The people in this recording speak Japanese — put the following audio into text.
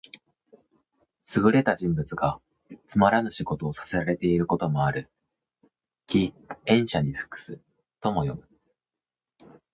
優れた人物がつまらぬ仕事をさせらていることである。「驥、塩車に服す」とも読む。